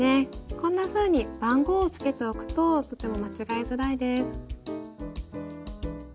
こんなふうに番号をつけておくととても間違えづらいです。